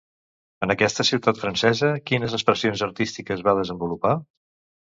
En aquesta ciutat francesa, quines expressions artístiques va desenvolupar?